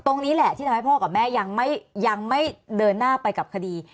ตรงนี้แหละที่ทำให้พ่อกับแม่ยังไม่เดินหน้าไปกับคดี